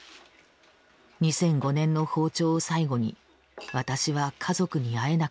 ２００５年の訪朝を最後に私は家族に会えなくなった。